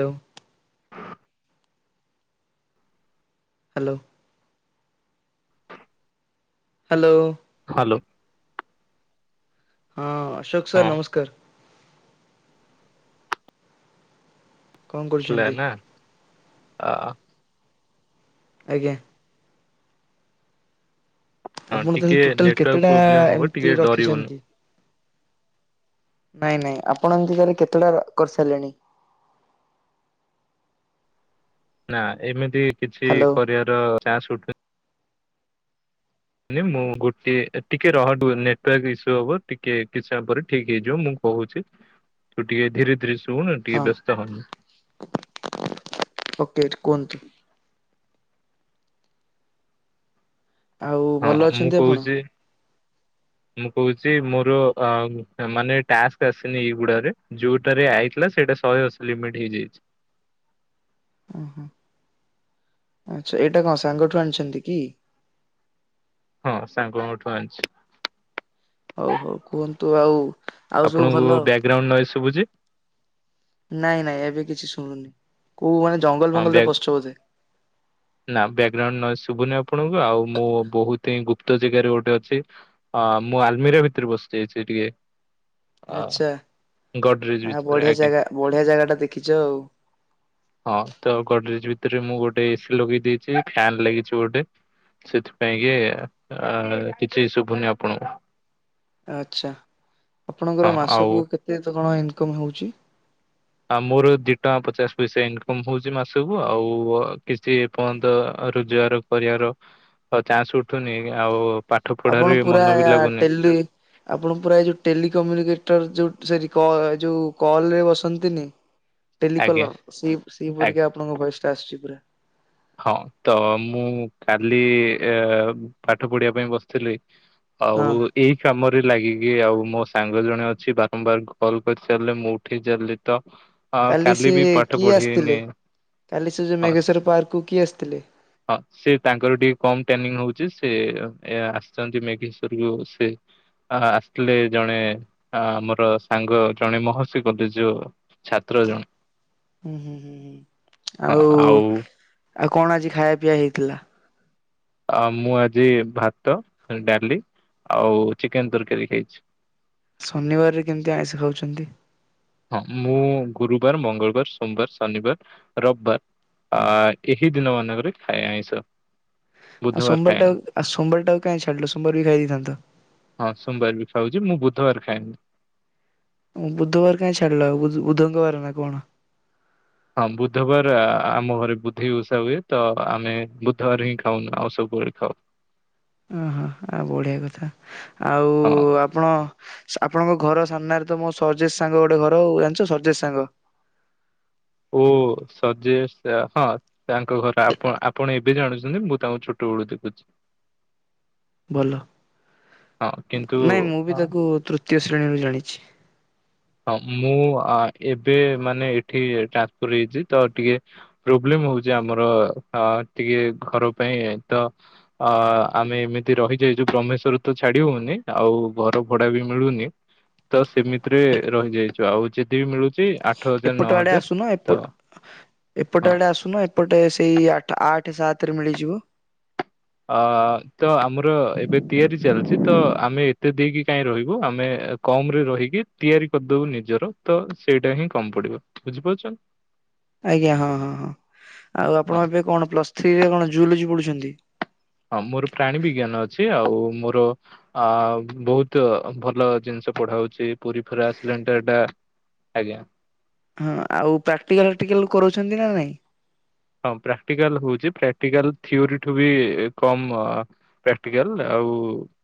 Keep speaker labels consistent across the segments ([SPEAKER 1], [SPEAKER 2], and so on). [SPEAKER 1] ଲୋ।
[SPEAKER 2] [inaudible]
[SPEAKER 1] Hello. Hello.
[SPEAKER 2] Hello.
[SPEAKER 1] ହଁ ଅଶୋକ
[SPEAKER 2] ହଁ
[SPEAKER 1] sir ନମସ୍କାର। କଣ କରୁଛନ୍ତି?
[SPEAKER 2] ସ୍ଲେନା ଆଉ
[SPEAKER 1] ଆଜ୍ଞା।
[SPEAKER 2] ହଁ
[SPEAKER 1] ଆପଣ
[SPEAKER 2] ଟିକେ
[SPEAKER 1] ତାହେଲେ ଟୋଟାଲ
[SPEAKER 2] ନେଟୱାର୍କ
[SPEAKER 1] କେତେଟା
[SPEAKER 2] ପ୍ରୋବ୍ଲେମ ହବ ଟିକେ
[SPEAKER 1] ଏମିତି
[SPEAKER 2] ଡରିବୁନୁ।
[SPEAKER 1] ରଖିଛନ୍ତି? ନାଇଁ ନାଇଁ ଆପଣ ଏମିତି କାରେ କେତେଟା କରିସାରିଲେଣି?
[SPEAKER 2] ନା ଏମିତି କିଛି
[SPEAKER 1] ହ୍ୟାଲୋ
[SPEAKER 2] କରିବାର ଚାନ୍ସ ଉଠୁ ନିଁ ମୁଁ ଗୋଟେ ଟିକେ ରହ ନେଟୱାର୍କ ଇସ୍ୟୁ ହବ ଟିକେ କିଛି ସମୟ ପରେ ଠିକ ହେଇଯିବ ମୁଁ କହୁଛି ତୁ ଟିକେ ଧୀରେ ଧୀରେ ଶୁଣୁ
[SPEAKER 1] ହଁ
[SPEAKER 2] ଟିକେ ବ୍ୟସ୍ତ ହନି।
[SPEAKER 1] ଓକେ କୁହନ୍ତୁ। ଆଉ
[SPEAKER 2] ହଁ
[SPEAKER 1] ଭଲ
[SPEAKER 2] ମୁଁ
[SPEAKER 1] ଅଛନ୍ତି ଆପଣ।
[SPEAKER 2] କହୁଛି ମୁଁ କହୁଛି ମୋର ଆ ମାନେ ଟାସ୍କ ଆସିନି ଏଇଗୁଡାରେ। ଯେଉଁଟାରେ ଆଇଥିଲା ସେଇଟା ଶହେ ଅଶି ଲିମିଟ୍ ହେଇଯାଇଛି।
[SPEAKER 1] ଓହୋ ଆଚ୍ଛା ଏଇଟା କଣ ସାଙ୍ଗଠୁ ଆଣିଛନ୍ତି କି?
[SPEAKER 2] ହଁ ସାଙ୍ଗଙ୍କଠୁ ଆଣିଛି।
[SPEAKER 1] ହଉ ହଉ କୁହନ୍ତୁ ଆଉ ଆଉ ସବୁ
[SPEAKER 2] ଆପଣଙ୍କୁ
[SPEAKER 1] ଭଲ?
[SPEAKER 2] ବ୍ୟାକଗ୍ରାଉଣ୍ଡ ନୋଇସ ସବୁଛି।
[SPEAKER 1] ନାଇଁ ନାଇଁ ଏବେ କିଛି ଶୁଣୁନି କୋଉ ମାନେ ଜଙ୍ଗଲ
[SPEAKER 2] ହଁ
[SPEAKER 1] ବଙ୍ଗଲରେ
[SPEAKER 2] ବ୍ୟାକ
[SPEAKER 1] ପଶିଛ ବଧେ?
[SPEAKER 2] ନା ବ୍ୟାକଗ୍ରାଉଣ୍ଡ ନ ଶୁଭୁନି ଆପଣଙ୍କୁ ଆଉ ମୁଁ ବହୁତ ହିଁ ଗୁପ୍ତ ଜାଗାରେ ଗୋଟେ ଅଛି। ହଁ ମୁଁ ଆଲମିରିଆ ଭିତରେ ବସିଯାଇଛି ଟିକେ। ଅ
[SPEAKER 1] ଆଚ୍ଛା
[SPEAKER 2] ଗଡରେଜ
[SPEAKER 1] ଆ
[SPEAKER 2] ଭିତରେ
[SPEAKER 1] ବଢିଆ
[SPEAKER 2] ଆଜ୍ଞା।
[SPEAKER 1] ଜାଗା ବଢିଆ ଜାଗା ଟା ଦେଖିଛ ଆଉ।
[SPEAKER 2] ହଁ ତ ଗଡରେଜ ଭିତରେ ମୁଁ ଗୋଟେ ଏସି ଲଗେଇ ଦେଇେଛି ଫ୍ୟନ୍ ଲାଗିଛି ଗୋଟେ। ସେଥିପାଇଁ କି ଅଉ କିଛି ଶୁଭୁନି ଆପଣଙ୍କୁ।
[SPEAKER 1] ଆଚ୍ଛା
[SPEAKER 2] ହଁ
[SPEAKER 1] ଆପଣଙ୍କର
[SPEAKER 2] ଆଉ
[SPEAKER 1] ମାସକୁ କେତେ କଣ ଇନକମ୍ ହେଉଛି?
[SPEAKER 2] ଆଉ ମୋର ଦି ଟଙ୍କା ପଚାଶ ପଇସା ଇନକମ ହଉଛି ମାସକୁ ଆଉ କିଛି ଏ ପର୍ଯ୍ୟନ୍ତ ରୋଜଗାର କରିବାର ଆଉ ଚାନ୍ସ ଉଠୁନି ଆଉ ପାଠ ପଢାରେ
[SPEAKER 1] ଆପଣ ପୁରା
[SPEAKER 2] ମନ ବି
[SPEAKER 1] ୟା
[SPEAKER 2] ଲାଗୁନି
[SPEAKER 1] ଟେଲି ଆପଣ ପୁରା ଏ ଯେଉଁ ଟେଲିିକମ୍ୟୁନିକେଟର୍ ଯେଉଁ ସରି କ ଯେଉଁ କଲ ରେ ବସନ୍ତିନି।
[SPEAKER 2] ଆଜ୍ଞା
[SPEAKER 1] ଟେଲିକଲର ସେ
[SPEAKER 2] ଆଜ୍ଞା।
[SPEAKER 1] ସେଇପରିକ ଆପଣଙ୍କ ଭଏସ ଟା ଆସୁଛି ପୁରା।
[SPEAKER 2] ହଁ ତ ମୁଁ କାଲି ଏ ପାଠ ପଢିବା ପାଇଁ ବସିଥିଲି।
[SPEAKER 1] ହଁ
[SPEAKER 2] ଆଉ ଏଇ କାମରେ ଲାଗିକି ଆଉ ମୋ ସାଙ୍ଗ ଜଣେ ଅଛି ବାରମ୍ବାର କଲ୍ କରିଚାଲିଲେ ମୁଁ ଉଠେଇ ଚାଲିଲି ତ
[SPEAKER 1] ସେ
[SPEAKER 2] କାଲି ବି ପାଠ
[SPEAKER 1] କିଏ
[SPEAKER 2] ପଢିନି ହସ
[SPEAKER 1] ପାର୍କୁ କିଏ ଆସିଥିଲେ?
[SPEAKER 2] ହଁ ସେ ତାଙ୍କର ଟିକେ କମ୍ ଟ୍ରେନିଂ ନଉଛି ସେ ଆସିଛନ୍ତି ମେଘେଶ୍ଵର କୁ ସେ ଅ ଆସିଥିଲେ ଜଣେ ଆମର ସାଙ୍ଗ ଜଣେ ମହର୍ଷି କଲେଜ ଯୋଉ ଛାତ୍ର ଜଣ।
[SPEAKER 1] ହୁଁ ହୁଁ ହୁଁ ହୁଁ ଆଉ ଆଉ କଣ ଆଜି ଖାଇବା ପିଇଆ ହେଇଥିଲା?
[SPEAKER 2] ଆ ମୁଁ ଆଜି ଭାତ ଡାଲି ଆଉ ଚିକେନ ତରକାରୀ ଖାଇଛି।
[SPEAKER 1] ଶନିବାରରେ କେମିତି ଆଇଁଷ ଖାଉଛନ୍ତି।
[SPEAKER 2] ହଁ ମୁଁ ଗୁରୁବାର ମଙ୍ଗଳବାର ସୋମବାର ଶନିବାର ରବିବାର। ଅ ଏହି ଦିନମାନଙ୍କରେ ଖାଏ ଆଇଁଷ।
[SPEAKER 1] ଆଉ
[SPEAKER 2] ବୁଧବାର
[SPEAKER 1] ସୋମବଟା
[SPEAKER 2] ଖାଏନି।
[SPEAKER 1] ଆ ସୋବାରଟାକୁ କାହିଁ ଛାଡିଲୁ ସୋମବାର ବି ଖାଇ ଦେଇଥାନ୍ତତ।
[SPEAKER 2] ହଁ ସୋମବାର ବି ଖାଉଛି ମୁଁ ବୁଧବାର ଖାଇଏନି।
[SPEAKER 1] ବୁଧବାର କାଇଁ ଛାଡିଲ ବୁଧଙ୍ଗବାର ନା କଣ।
[SPEAKER 2] ହଁ ବୁଧବାର ଆମ ଘରେ ବୁଧେଇ ଓଷା ହୁଏ ତ ଆମେ ବୁଧବାର ହିଁ ଖାଉନୁ ଆଉ ସବୁବେଳେ ଖାଉ।
[SPEAKER 1] ଓହୋ ଆଉ ବଢିଆ କଥା ଆଉ।
[SPEAKER 2] ହଁ
[SPEAKER 1] ଆପଣ ଆପଣଙ୍କ ଘର ସାମ୍ନାରେ ତ ମୋ ସର୍ଜେଶ ସାଙ୍ଗ ଗୋଟେ ଘର ହଉ ଜାଣିଛ ସର୍ଜେଶ ସାଙ୍ଗ।
[SPEAKER 2] ଓ ସର୍ଜେଶ ହଁ। ତାଙ୍କ ଘର ଆପଣ ଆପଣ ଏବେ ଜାଣୁଛନ୍ତି ମୁଁ ତାଙ୍କୁ ଛୋଟ ବେଳୁ ଦେଖୁଛି।
[SPEAKER 1] ଭଲ
[SPEAKER 2] ହଁ କିନ୍ତୁ
[SPEAKER 1] ନାଇଁ ମୁଁ ବି ତାକୁ ତୃତ। ତୃତୀୟ ଶ୍ରେଣୀରୁ ଜାଣିଛି।
[SPEAKER 2] ହଁ ମୁଁ ଏବେ ମାନେ ଏଠି ଟ୍ରାନ୍ସଫର୍ ହେଇଛି ତ ଟିକେ। ପ୍ରୋବ୍ଲେମ ହଉଛି ଆମର ଟିକେ ଘର ପାଇଁ ତ। ଅ ଆମେ ଏମିତି ରହିଯାଇଛୁ ବ୍ରହ୍ମେଶ୍ୱର ତ ଛାଡି ହଉନି ଆଉ ଘର ଭଡା ବି ମିଳୁନି। ତ ସେମିତିରେ ରହିଯାଇଛୁ ଆଉ ଯଦି ବି ମିଳୁଛି ଆଠ ହଜାର ନଅ ହଜାର ତ।
[SPEAKER 1] ଏପଟେ
[SPEAKER 2] ହଁ
[SPEAKER 1] ଆଡ଼େ ଆସୁନ ଏପଟେ ସେଇ ଆଠ ସାତରେ ମିଳିଯିବ।
[SPEAKER 2] ଅ ତ ଆମର ଏବେ ତିଆରି ଚାଲିଛି ତ ଆମେ ଏତେ ଦେଇକି କାଇଁ ରହିବୁ ଆମେ। କମ ରେ ରହିକି ତିଆରି କରିଦବୁ ନିଜର ତ ସେଇଟା ହିଁ କମ ପଡିବ ବୁଝିପାରୁଛ।
[SPEAKER 1] ଆଜ୍ଞା ହଁ ହଁ ହଁ ଆଉ
[SPEAKER 2] ହଁ।
[SPEAKER 1] ଆପଣ ଏବେ କଣ ପ୍ଲସ୍ ଥ୍ରୀରେ କଣ ଜୁଲୋଜି ପଢୁଛନ୍ତି।
[SPEAKER 2] ହଁ ମୋର ପ୍ରାଣୀ ବିଜ୍ଞାନ ଅଛି ଆଉ ମୋର। ଆ ବହୁତ ଭଲ ଜିନିଷ ପଢାହଉଛି ପୁରୀ ଫରା ସିଲଣଟର ଟା ଆଜ୍ଞା।
[SPEAKER 1] ହଁ ଆଉ ପ୍ରାକ୍ଟିକାଲଟିକାଲ କରଉଛନ୍ତି ନା ନାଇଁ।
[SPEAKER 2] ହଁ ପ୍ରାକ୍ଟିକାଲ ହଉଛି ପ୍ରାକ୍ଟିକାଲ ଥିଓରୀ ଠୁ ବି କମ। ପ୍ରାକ୍ଟିକାଲ ଆଉ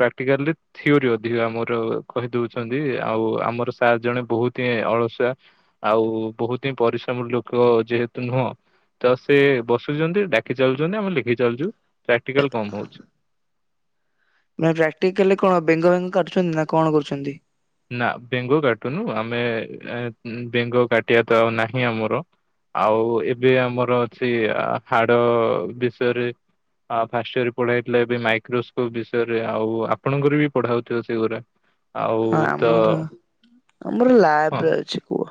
[SPEAKER 2] ପ୍ରାକ୍ଟିକାଲରେ। ଥିଓରି ଅଧିକ ଆମର କହିଦଉଛନ୍ତି ଆଉ ଆମର ସାର୍ ଜଣେ ବହୁତ ହିଁ ଅଳସୁଆ। ଆଉ ବହୁତ ହିଁ ପରିଶ୍ରମର ଲୋକ ଯେହେତୁ ନୁହଁ। ତ ସେ ବସୁଛନ୍ତି ଡାକି ଚାଲୁଛନ୍ତି ଆମେ ଲେଖି ଚାଲୁଛୁ ପ୍ରାକ୍ଟିକାଲ କମ ହଉଛି।
[SPEAKER 1] ମାନେ ପ୍ରାକ୍ଟିକାଲି କଣ ବେଙ୍ଗ ବେଙ୍ଗ କାଟୁଛନ୍ତି ନା କଣ କରୁଛନ୍ତି।
[SPEAKER 2] ନା ବେଙ୍ଗ କାଟୁନୁ ଆମେ ବେଙ୍ଗ କାଟିବା ତ ଆଉ ନାହିଁ ଆମର। ଆଉ ଏବେ ଆମର ଅଛି ହାଡ ବିଷୟରେ। ଆ ଫାଷ୍ଟ ଇୟରରେ ପଢେଇଥିଲା ଏବେ ମାଇକ୍ରୋସ୍କୋପ ବିଷୟରେ ଆଉ ଆପଣଙ୍କର ବି ପଢା ହଉଥିବ ସେଗୁରା। ଆଉ।
[SPEAKER 1] ହଁ
[SPEAKER 2] ତ
[SPEAKER 1] ଆମର ଆମର ଲାବ୍
[SPEAKER 2] ହଁ
[SPEAKER 1] ରେ ଅଛି। କୁହ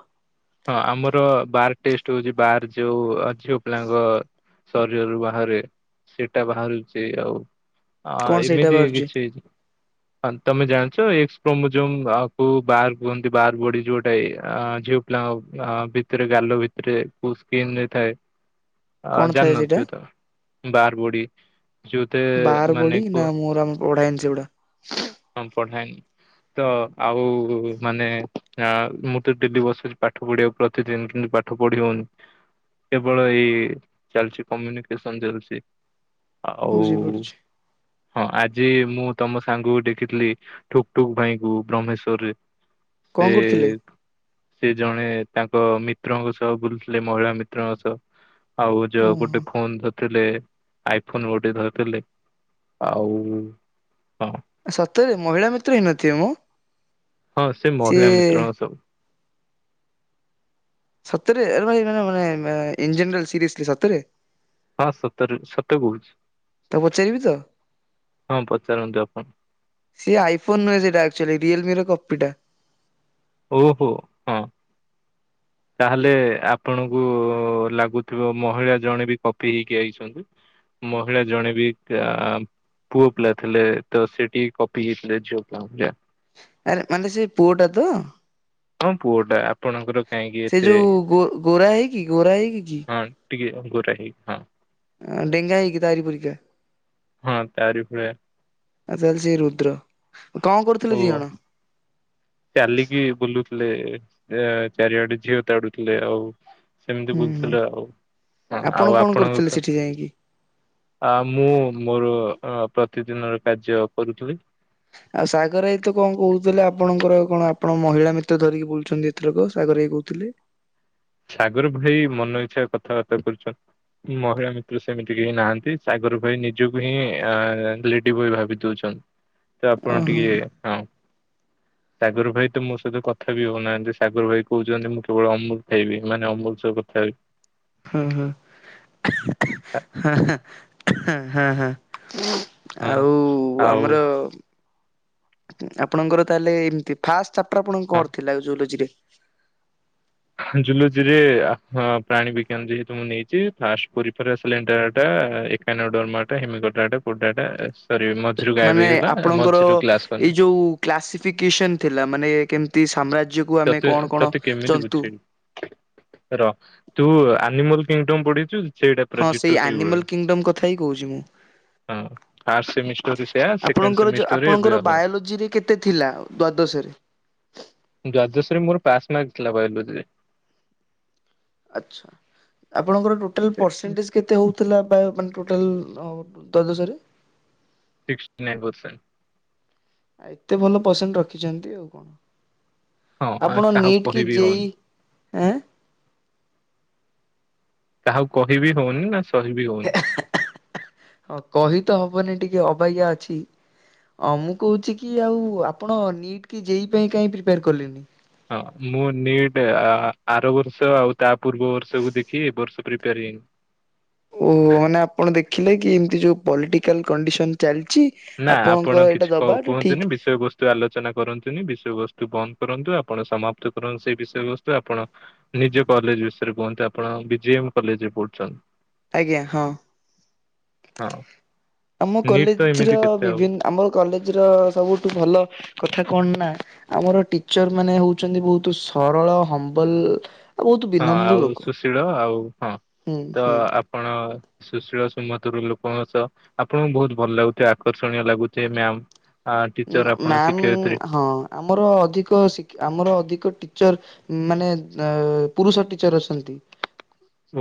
[SPEAKER 2] ହଁ ଆମର ବାର ଟେଷ୍ଟ ହଉଛି ବାର ଯୋଉ ଝିଅ ପିଲାଙ୍କ ଶରୀରରୁ ବାହାରେ ସେଟା ବାହାରୁଛି ଆଉ।
[SPEAKER 1] କଣ
[SPEAKER 2] ହଁ
[SPEAKER 1] ସେଇଟା
[SPEAKER 2] ଏମିତି
[SPEAKER 1] ବାହାରୁଛି?
[SPEAKER 2] କିଛି? ହଁ ତମେ ଜାଣିଛ ଏକ୍ସ କ୍ରୋମୋଜୋମ କୁ ବାହାର କୁହନ୍ତି ବାହାର ବଡି ଯୋଉଟା ଝିଅକୁ। ନା ଓ ଆ ଭିତରେ ଗାଲ ଭିତରେ ଉସ୍କିନରେ ଥାଏ। ଆ
[SPEAKER 1] କଣ ଥାଏ ସେଇଟା
[SPEAKER 2] ଜାଣିନଥିବେ ତ। ବାର ବଡି ଯଉତେ
[SPEAKER 1] ବାର ବଡି
[SPEAKER 2] ମାନେ
[SPEAKER 1] ନା
[SPEAKER 2] କ
[SPEAKER 1] ମୋର ଆମ ପଢାଏନି ସେଗୁଡା
[SPEAKER 2] ତାଙ୍କ ଠାଇଁ। ତ ଆଉ ମାନେ ମୁଁ ତ ଡେଦି ବସରେ ପାଠ ପଢିବାକୁ ପ୍ରତିଦିନ କିନ୍ତୁ ପାଠ ପଢି ହଉନି। କେବଳ ଏଇ ଚାଲିଛି କମ୍ୟୁନିକେସନ ଚାଲିଛି। ଆଉ
[SPEAKER 1] ବୁଝିପାରୁଛି।
[SPEAKER 2] ହଁ ଆଜି ମୁଁ ତମ ସାଙ୍ଗକୁ ଦେଖିଥିଲି। ଠୁକ୍ ଠୁକ୍ ଭାଇ ଙ୍କୁ ବ୍ରହ୍ମେଶ୍ଵରରେ
[SPEAKER 1] କଣ
[SPEAKER 2] ସେ
[SPEAKER 1] କରୁଥିଲେ
[SPEAKER 2] ସେ ଜଣେ ତାଙ୍କ ମିତ୍ରଙ୍କ ସହ ବୁଲୁଥିଲେ ମହିଳା ମିତ୍ରଙ୍କ ସହ। ଆଉ ଯ
[SPEAKER 1] ଓହୋ
[SPEAKER 2] ଗୋଟେ ଫୋନ୍ ଧ ଥିଲେ ଆଇଫୋନ ଗୋଟେ ଧରିଥିଲେ ଆଉ ହଁ।
[SPEAKER 1] ସତରେ ମହିଳା ମିତ୍ର ହେଇ ନଥିବେ ମ।
[SPEAKER 2] ହଁ ସେ ମହିଳା
[SPEAKER 1] ସିଏ
[SPEAKER 2] ମିତ୍ରଙ୍କ ସ
[SPEAKER 1] ସତରେ ଆରେ ଭାଇ ମାନେ ମାନେ ଇଞ୍ଜିନିର ସିରିଏସ୍ଲି ସତରେ।
[SPEAKER 2] ହଁ ସତରେ ସତ କହୁଛି
[SPEAKER 1] ତାକୁ ପଚାରିବି ତ?
[SPEAKER 2] ହଁ ପଚାରନ୍ତୁ ଆପଣ।
[SPEAKER 1] ସେ ଆଇଫୋନ ନୁହଁ ସେଇଟା ଆକ୍ଚୁଆଲି ରିଏଲମି ର କପି ଟା।
[SPEAKER 2] ଓହୋ ହଁ। ତାହେଲେ ଆପଣଙ୍କୁ ଲାଗୁଥିବ ମହିଳା ଜଣେ ବି କପି ହେଇକି ଆଇଛନ୍ତି। ମହିଳା ଜଣେ ବି ଆ ପୁଅ ପିଲା ଥିଲେ ତ ସେଠି କପି ହେଇଥିଲେ ଝିଅ ପିଲାଙ୍କ ଭଳିଆ।
[SPEAKER 1] ଆରେ ମାନେ ସେଇ ପୁଅଟା ତ।
[SPEAKER 2] ହଁ ପୁଅଟା। ଆପଣଙ୍କର କାହିଁକି
[SPEAKER 1] ସେ
[SPEAKER 2] ଏତେ
[SPEAKER 1] ଯୋଉୋ ଗୋ ଗୋରା ହେଇକି ଗୋରା ହେଇକି କି?
[SPEAKER 2] ହଁ ଟିକେ ଗୋରା ହେଇ ହଁ।
[SPEAKER 1] ଆ ଡେଙ୍ଗା ହେଇ କିି ତାରିପରିିକା।
[SPEAKER 2] ହଁ ତାରି ଭଳିଆ
[SPEAKER 1] ଆ ତାହେଲେ ସେ ରୁଦ୍ର କଣ
[SPEAKER 2] ଓ
[SPEAKER 1] କରୁଥିଲେ ଦି ଜଣ।
[SPEAKER 2] ଚାଲିକି ବୁଲୁଥିଲେ ଅ ଚାରିଆଡେ ଝିଅ ତାଡୁଥିଲେ ଆଉ ସେମିତି
[SPEAKER 1] ହୁଁ ହୁଁ
[SPEAKER 2] ବୁଲୁଥିଲୁ ଆଉ
[SPEAKER 1] ଆପଣ
[SPEAKER 2] ଆଉ
[SPEAKER 1] କଣ
[SPEAKER 2] ଆପଣଙ୍କ
[SPEAKER 1] କରୁଥିଲେ
[SPEAKER 2] ସହ
[SPEAKER 1] ସେଠି ଯାଇକି?
[SPEAKER 2] ଆ ମୁଁ ମୋର ଅ ପ୍ରତିଦିନର କାର୍ଯ୍ୟ କରୁଥିଲି।
[SPEAKER 1] ଆଉ ସାଗର ଆଇ ତ କଣ କହୁଥିଲେ ଆପଣଙ୍କର କଣ ଆପଣ ମହିଳା ମିତ୍ର ଧରିକି ବୁଲୁଛନ୍ତି ଏ ଥରକ ସାଗର ଆଇ କହୁଥିଲେ।
[SPEAKER 2] ସାଗର ଭାଇ ମନ ଇଚ୍ଛା କଥାବାର୍ତ୍ତା କରୁଛନ୍ତି। ମହିଳା ମିତ୍ର ସେମିତି କେହି ନାହାନ୍ତି ସାଗର ଭାଇ ନିଜକୁ ହିଁ ଲେଡି ବୟ ଭାବି ଦଉଛନ୍ତି। ତ ଆପଣ
[SPEAKER 1] ଓହୋ
[SPEAKER 2] ଟିକେ ହଁ। ସାଗର ଭାଇ ତ ମୋ ସହିତ କଥା ବି ହଉନାହାନ୍ତି ସାଗର ଭାଇ କହୁଛନ୍ତି ମୁଁ କେବଳ ଅମୃ ହେଇବି ମାନେ ଅମୁଲ ସବୁ କଥା ହେବି।
[SPEAKER 1] ହଁ ହ ହ ହ।
[SPEAKER 2] ହଁ
[SPEAKER 1] ଆଉ
[SPEAKER 2] ଆଉ
[SPEAKER 1] ଆମର ଆପଣଙ୍କର ତାହେଲେ ଏମତି ଫାଷ୍ଟ ଚାପ୍ଟର ଆପଣଙ୍କ
[SPEAKER 2] ହଁ
[SPEAKER 1] କଣ ଥିଲା ଜୁଓଲୋଜିରେ।
[SPEAKER 2] ଜୁଲୋଜିରେ ଆ ହଁ ପ୍ରାଣୀ ବିଜ୍ଞାନ ଯେହେତୁ ମୁଁ ନେଇଛି ଫାଷ୍ଟ ପ୍ରିଫରେନ୍ସ ସିଲେନ୍ଟ ଏଟା [unintelligible] ସରି ମଝିରୁ ଗାଇବ
[SPEAKER 1] ମାନେ
[SPEAKER 2] ହେଇଗଲା
[SPEAKER 1] ଆପଣଙ୍କର
[SPEAKER 2] ମଝିରୁ କ୍ଲାସ୍
[SPEAKER 1] ଏଇ
[SPEAKER 2] କନି।
[SPEAKER 1] ଯୋଉ କ୍ଲାସିଫିକେସନ ଥିଲା ମାନେ କେମିତି ସାମ୍ରାଜ୍ୟକୁ ଆମେ
[SPEAKER 2] ତତେ
[SPEAKER 1] କଣ କଣ
[SPEAKER 2] ତତେ କେମିତି
[SPEAKER 1] ଯନ୍ତୁ
[SPEAKER 2] ବୁଝେଇବି ର ତୁ ଆନିମଲ କିଙ୍ଗଡମ ପଢିଛୁ। ସେଇଟା ପୁରା
[SPEAKER 1] ହଁ
[SPEAKER 2] ଡିଟୋ
[SPEAKER 1] ସେଇ
[SPEAKER 2] ସେଇଭଳିଆ
[SPEAKER 1] ଆନିମଲ୍ କିଙ୍ଗଡମ କଥା ହିଁ କହୁଛି ମୁଁ।
[SPEAKER 2] ହଁ। ଫାଷ୍ଟ ସେମିଷ୍ଟରରେ ସେୟା ସେକେଣ୍ଡ
[SPEAKER 1] ଆପଣଙ୍କର ଯୋଉ
[SPEAKER 2] ସେମିଷ୍ଟରରେ ଏବେ
[SPEAKER 1] ଆପଣଙ୍କର
[SPEAKER 2] ଅଲଗା।
[SPEAKER 1] ବାୟୋଲୋଜିରେ କେତେ ଥିଲା ଦ୍ଵାଦଶରେ।
[SPEAKER 2] ଦ୍ୱାଦଶୀ ମୋର ପାସ୍ ମାର୍କ ଥିଲା ବାୟୋଲୋଜିରେ।
[SPEAKER 1] ଆଚ୍ଛା ଆପଣଙ୍କର ଟୋଟାଲ ପରସେଣ୍ଟେଜ୍ କେତେ ହେଉଥିଲା ବା ମାନେ ଟୋଟାଲ ଦ୍ୱାଦଶ ରେ।
[SPEAKER 2] Sixty nine percent.
[SPEAKER 1] ଏତେ ଭଲ ପସେଣ୍ଟ ରଖିଛନ୍ତି ଆଉ କଣ
[SPEAKER 2] ହଁ
[SPEAKER 1] ଆପଣ
[SPEAKER 2] କାହାକୁ
[SPEAKER 1] ନିଟ କି
[SPEAKER 2] କହିବି
[SPEAKER 1] ଜେ
[SPEAKER 2] ହଉନି
[SPEAKER 1] ଇ ଆଁ।
[SPEAKER 2] କାହାକୁ କହିବି ହଉନି ନା ସହିବି ହଉନି।
[SPEAKER 1] ହଁ କହି ତ ହବନି ଟିକେ ଅବାଗିଆ ଅଛି। ଅ ମୁଁ କୋଉଚି କି ଆଉ ଆପଣ ନିଟ୍ କି ଜେଇ ପାଇଁ କାଇଁ ପ୍ରିପେୟାର କଲେ।
[SPEAKER 2] ହଁ ମୁଁ ନିଟ୍ ଆ ଆ ଆର ବର୍ଷ ଆଉ ତା ପୂର୍ବ ବର୍ଷକୁ ଦେଖି ଏବର୍ଷ ପ୍ରିପେୟାର ହେଇନି।
[SPEAKER 1] ଓହୋ ମାନେ ଆପଣ ଦେଖିଲେ କି ଏମତି ଯୋଉ ପଲିଟିକାଲ କଣ୍ଡିସନ ଚାଲିଛି।
[SPEAKER 2] ନା
[SPEAKER 1] ଆପଣଙ୍କ
[SPEAKER 2] ଆପଣ
[SPEAKER 1] ଏଇଟା
[SPEAKER 2] କିଛି କ
[SPEAKER 1] ଦବାଟା ଠିକ
[SPEAKER 2] କୁହନ୍ତୁନି ବିଷୟବସ୍ ତୁ ଆଲୋଚନା କରନ୍ତୁନି ବିଷୟବସ୍ତୁ ବନ୍ଦ କରନ୍ତୁ ଆପଣ ସମାପ୍ତ କରନ୍ତୁ ସେଇ ବିଷୟବସ୍ତୁ ଆପଣ। ନିଜ କଲେଜ ବିଷୟରେ କୁହନ୍ତୁ ଆପଣ ବି ଜି ଏମ୍ କଲେଜରେ ପଢ଼ୁଛନ୍।
[SPEAKER 1] ଆଜ୍ଞା ହଁ।
[SPEAKER 2] ହଁ।
[SPEAKER 1] ଆମ
[SPEAKER 2] ନିଟ୍ ତ
[SPEAKER 1] କଲେଜର
[SPEAKER 2] ଏମିତି କେତେ ଆଉ
[SPEAKER 1] ବିଭିନ୍ ଆମ କଲେଜର ସବୁଠୁ ଭଲ କଥା କଣ ନା ଆମର ଟିଚର ମାନେ ହଉଛନ୍ତି ବହୁତୁ ସରଳ ହମ୍ବଲ। ଆ ବହୁତୁ
[SPEAKER 2] ହଁ
[SPEAKER 1] ବିନମ୍ର
[SPEAKER 2] ଆଉ
[SPEAKER 1] ଲୋକ
[SPEAKER 2] ସୁଶୀଳ ଆଉ ହଁ
[SPEAKER 1] ହୁଁ
[SPEAKER 2] ତ
[SPEAKER 1] ହୁଁ।
[SPEAKER 2] ଆପଣ ସୁଶୀଳ ସୁମଧୁର ଲୋକଙ୍କ ସହ ଆପଣଙ୍କୁ ବହୁତ ଭଲ ଲାଗୁଥ ଆକର୍ଷଣୀୟ ଲାଗୁଚେ ମ୍ୟାମ।
[SPEAKER 1] ମ୍ୟାାମ ହଁ ଆମର ଅଧିକ ସିକ୍ ଆମର ଅଧିକ ଟିଚର ମାନେ ଆ ପୁରୁଷ ଟିଚର ଅସନ୍ତି।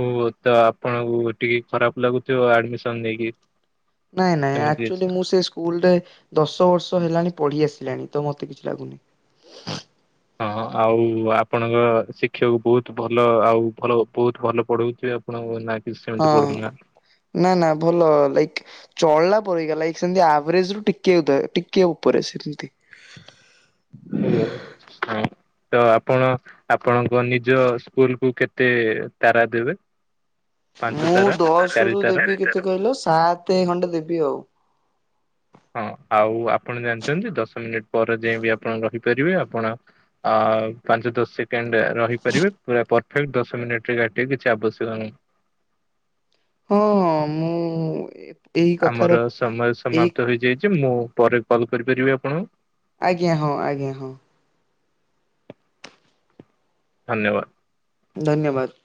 [SPEAKER 2] ଓ ତ ଆପଣଙ୍କୁ ଟିକେ ଖରାପ ଲାଗୁଥୁବ ଆଡ଼ମିସନ ନେଇକି।
[SPEAKER 1] ନାଇଁ ନାଇଁ
[SPEAKER 2] ସେମିତି କିଛି
[SPEAKER 1] ଆକ୍ଚୁଆଲି
[SPEAKER 2] ନାହିଁ।
[SPEAKER 1] ମୁଁ ସେ ଉଲରେ ଦଶ ବର୍ଷ ହେଲାଣି ପଢ଼ି ଆସିଲାଣି ତ ମତେ କିଛି ଲାଗୁନି।
[SPEAKER 2] ହଁ ଆଉ ଆପଣଙ୍କ ଶିକ୍ଷକ ବହୁତ ଭଲ ଆଉ ଭଲ ବହୁତ ଭଲ ପଢ଼ଉଥିବେ ଆ ପଣଙ୍କୁ ନା କି ସେମିତି
[SPEAKER 1] ହଁ
[SPEAKER 2] ପଢ଼ନା?
[SPEAKER 1] ନା ନା ଭଲ ଲାଇକ୍ ଚଳିଲା ପରେକା ଲାଇକ ସେମିତି ଆଭରେଜ ରୁ ଟିକେ ଉଦୟେ ଟିକେ ଉପରେ ସେମିତି। ହ।
[SPEAKER 2] ଓ ହଁ। ତ ଆପଣ ଆପଣଙ୍କ ନିଜ ସ୍କୁଲକୁ କେତେ ତାରା ଦେବେ? ପାଞ୍ଚ
[SPEAKER 1] ମୁଁ
[SPEAKER 2] ତାରା
[SPEAKER 1] ଦଶ
[SPEAKER 2] ଚାରି
[SPEAKER 1] ରୁ
[SPEAKER 2] ତାରା
[SPEAKER 1] ଦେବି କେତେ କହିଲ ସାତ ଖଣ୍ଡେ ଦେବି ଆଉ।
[SPEAKER 2] ହଁ ଆଉ ଆପଣ ଜାଣିଛନ୍ତି ଦଶ ମିନିଟ୍ ପରେ ଯାଇଁବି ଆପଣ ରହିପାରିବେ ଆପଣ ଆ ପାଞ୍ଚ ଦଶ ସେକେଣ୍ଡ ରହିପାରିବେ ପରଫେକ୍ଟ ଦଶ ମିନିଟରେ କାଟିବେ କିଛି ଆବଶ୍ୟକ ନାହିଁ।
[SPEAKER 1] ହଁ ହଁ ମୁଁ ଏ
[SPEAKER 2] ଆମର ସମୟ ସମାପ୍ତ ହେଇଯାଇଛି ମୁଁ ପରେ କଲ କରିପାରିବି ଆପଣଙ୍କୁ?
[SPEAKER 1] ଆଜ୍ଞା ହଁ ଆଜ୍ଞା ହଁ।
[SPEAKER 2] ଧନ୍ୟବାଦ।
[SPEAKER 1] ଧନ୍ୟବାଦ।